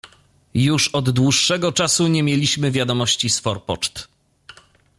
"Już od dłuższego czasu nie mieliśmy wiadomości z forpoczt."